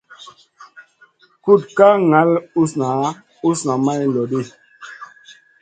Kuɗ ka ŋal usna usna may lodi.